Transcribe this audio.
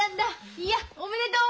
いやおめでとう！